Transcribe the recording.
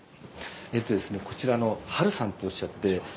えっとですねこちらのハルさんとおっしゃって